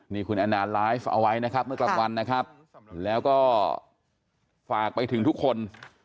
นี่คุณแอนนาไลฟ์เอาไว้นะครับเมื่อกลางวันนะครับแล้วก็ฝากไปถึงทุกคน